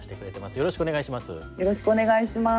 よろしくお願いします。